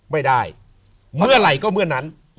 เมื่อไหร่ก็เมื่อนั้น